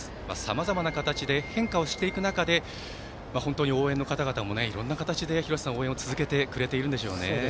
さまざまな形で変化をしていく中で本当に応援の方々もいろんな形で応援を続けてくれているんですよね。